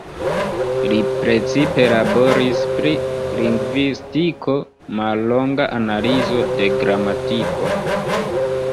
Li precipe laboris pri lingvistiko, "Mallonga analizo de gramatiko.